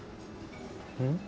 うん？